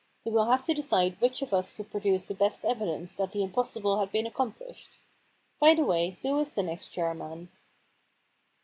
He will have to decide which of us could produce the best evidence that the impossible had been accom plished. By the way, who is the next chair man